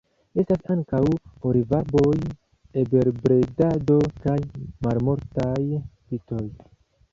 Estas ankaŭ olivarboj, abelbredado kaj malmultaj vitoj.